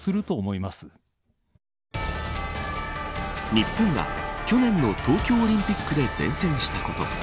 日本は去年の東京オリンピックで善戦したこと。